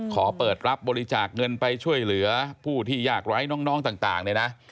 ขอเปิดรับบริจาคเงินไปช่วยเหลือผู้ที่ยากไร้น้องต่างเนี่ยนะ